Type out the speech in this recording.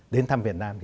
đến thăm việt nam